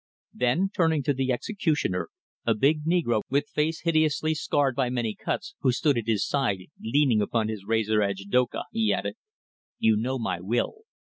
Then, turning to the executioner, a big negro with face hideously scarred by many cuts, who stood at his side leaning upon his razor edged doka, he added: "You know my will.